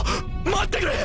待ってくれ！